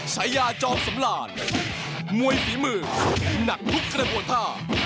กระบวนท่า